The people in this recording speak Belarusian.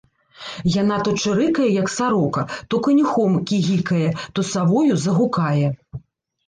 Яна то чырыкае, як сарока, то канюхом кігікае, то савою загукае.